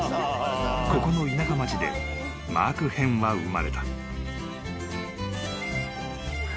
［ここの田舎町でマーク・ヘンは生まれた］